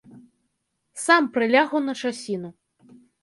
Сам прылягу на часіну.